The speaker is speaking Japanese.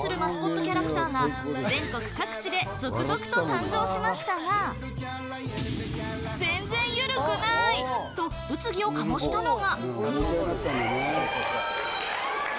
ご当地をＰＲするマスコットキャラクターが、全国各地で続々と誕生しましたが、全然ゆるくない！と物議を醸したのが。